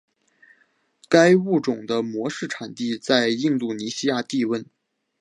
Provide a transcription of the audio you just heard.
该物种的模式产地在印度尼西亚帝汶。